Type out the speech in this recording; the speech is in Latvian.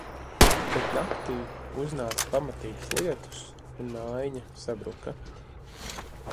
Bet naktī uznāca pamatīgs lietus un mājiņa sabruka.